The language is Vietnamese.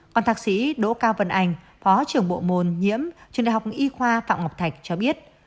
còn thạc sĩ đỗ cao vân anh phó trưởng bộ môn nhiễm trường đại học y khoa phạm ngọc thạch cho biết